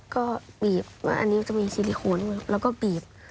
ก็บีบว่าอันนี้จะมีซิลิโคนแล้วก็บีบ